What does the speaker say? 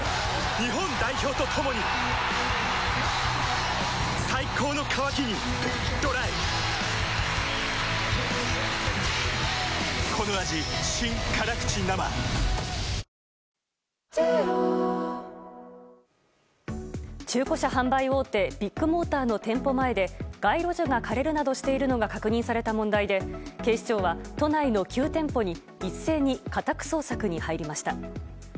日本代表と共に最高の渇きにＤＲＹ中古車販売大手ビッグモーターの店舗前で街路樹が枯れるなどしているのが確認された問題で警視庁は都内の９店舗に一斉に家宅捜索に入りました。